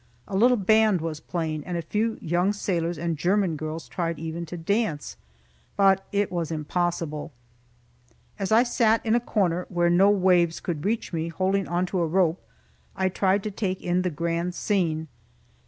A little band was playing, and a few young sailors and German girls tried even to dance; but it was impossible. As I sat in a corner where no waves could reach me, holding on to a rope, I tried to take in the grand scene.